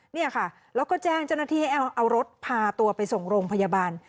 เนี่ยค่ะแล้วก็แจ้งเจ้าหน้าที่ให้เอารถพาตัวไปส่งโรงพยาบาล